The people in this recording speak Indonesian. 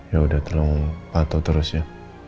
ya udah terlalu patuh terus ya